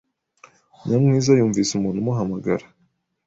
Nyamwiza yumvise umuntu umuhamagara.